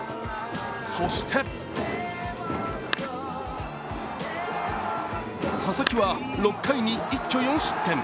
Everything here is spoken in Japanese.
そして佐々木は６回に一挙４失点。